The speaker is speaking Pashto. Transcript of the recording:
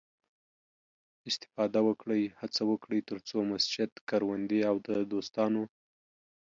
استفاده وکړئ، هڅه وکړئ، تر څو مسجد، کروندې او د دوستانو